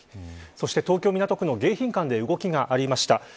そして東京、港区の迎賓館で動きがありました。